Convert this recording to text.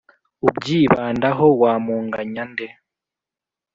ubyibandaho, wamunganya nde?